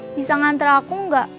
bisa nganter aku enggak